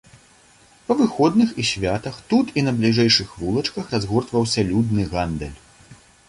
Па выходных і святах тут і на бліжэйшых вулачках разгортваўся людны гандаль.